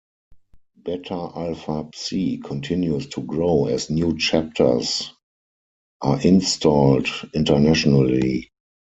Beta Alpha Psi continues to grow as new chapters are installed internationally.